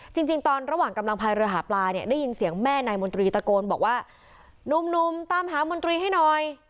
จริงตอนระหว่างกำลังพายเรือหาปลาเนี่ยได้ยินเสียงแม่นายมนตรีตะโกนบอกว่านุ่มตามหามนตรีให้หน่อย